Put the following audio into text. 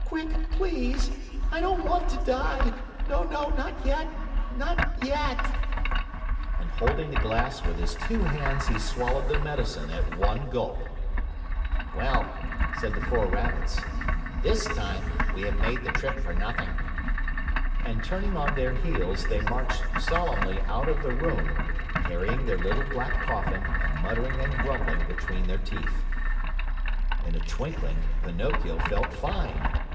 Quick, please! I don't want to die! No, no, not yet not yet!" And holding the glass with his two hands, he swallowed the medicine at one gulp. "Well," said the four Rabbits, "this time we have made the trip for nothing." And turning on their heels, they marched solemnly out of the room, carrying their little black coffin and muttering and grumbling between their teeth. In a twinkling, Pinocchio felt fine.